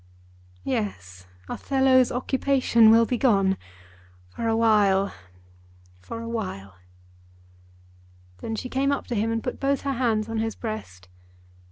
"Yes; Othello's occupation will be gone, for awhile; for awhile." Then she came up to him and put both her hands on his breast.